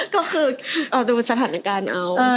ก็คือเอาดูสถานการณ์เอา